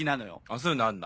そういうのあんだ。